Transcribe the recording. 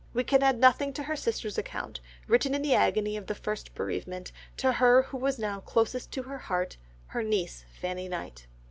We can add nothing to her sister's account, written in the agony of the first bereavement, to her who was now closest to her heart, her niece, Fanny Knight.